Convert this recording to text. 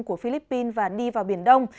của philippines và đi vào biển đông